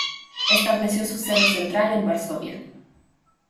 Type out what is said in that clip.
Estableció su sede central en Varsovia.